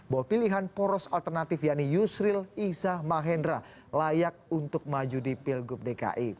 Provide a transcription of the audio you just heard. bahwa pilihan poros alternatif yaitu yusril iza mahendra layak untuk maju di pilgub dki